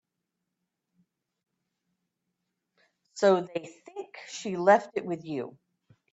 So they think she left it with you.